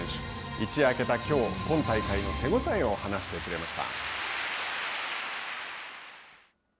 一夜明けたきょう今大会の手応えを話してくれました。